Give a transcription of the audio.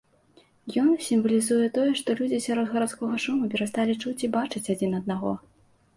Ён сімвалізуе тое, што людзі сярод гарадскога шуму перасталі чуць і бачыць адзін аднаго.